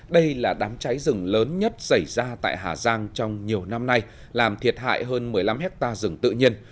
đây là đám cháy rừng lớn nhất xảy ra tại hà giang trong nhiều năm nay làm thiệt hại hơn một mươi năm hectare rừng tự nhiên